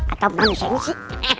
atau manusia ini sih